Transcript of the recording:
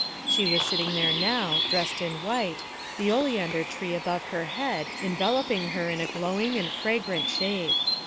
She was sitting there now, dressed in white, the oleander tree above her head enveloping her in a glowing and fragrant shade.